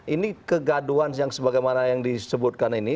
ini kegaduan yang sebagaimana yang disebutkan ini